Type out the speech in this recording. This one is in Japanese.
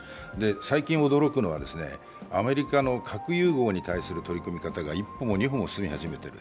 最近驚くのは、アメリカの核融合に対する取り組み方が一歩も二歩も進み始めている。